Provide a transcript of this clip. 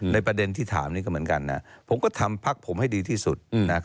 ประเด็นที่ถามนี้ก็เหมือนกันนะผมก็ทำพักผมให้ดีที่สุด